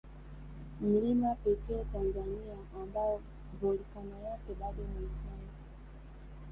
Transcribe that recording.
Mlima pekee Tanzania ambao Volkano yake bado ni hai